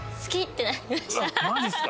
マジですか？